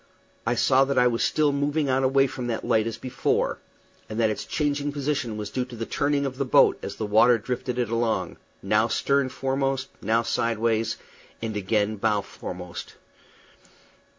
I saw that I was still moving on away from that light as before, and that its changing position was due to the turning of the boat as the water drifted it along, now stern foremost, now sidewise, and again bow foremost.